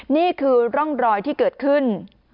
นี่คือร่องรอยที่เกิดขึ้น